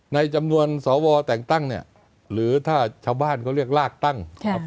ในจำนวนสวแต่งตั้งหรือถ้าชาวบ้านเขาเรียกลากตั้ง